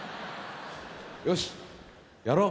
よしやろう！